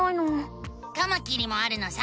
カマキリもあるのさ！